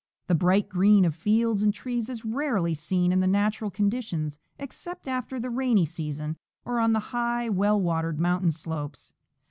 The bright green of fields and trees is rarely seen in the natural conditions, except after the rainy season, or on the high, well watered mountain slopes.